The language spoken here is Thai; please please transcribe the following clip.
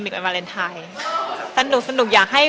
ใช่วันวาเลนไทยเป็นยิ้มอีกวันวาเลนไทย